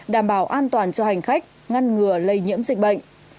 đảm bảo an toàn cho hành khách ngăn ngừa lây nhiễm dịch bệnh